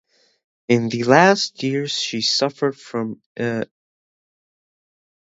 In the last years she suffered increasingly from paralysis.